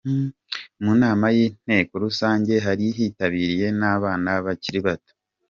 Mu nama y'inteko rusange hari hitabiriye n'abana bakiri bato .